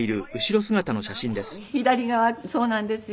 左側そうなんですよ。